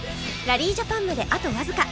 ラリージャパンまであとわずか！